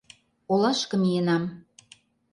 Олашке миенам.